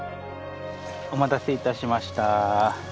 お待たせ致しました。